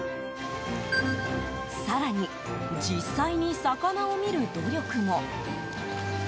更に、実際に魚を見る努力も。